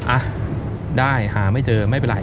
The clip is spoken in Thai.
อ่ะได้หาไม่เจอไม่เป็นไร